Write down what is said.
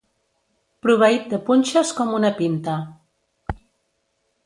Proveït de punxes com una pinta.